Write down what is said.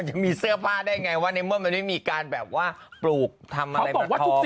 มันจะมีเสื้อผ้าได้ไงว่าไม่มีการปลูกทำอะไร